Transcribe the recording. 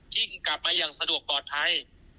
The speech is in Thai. ยิ่งกลับมาอย่างสะดวกปลอดภัย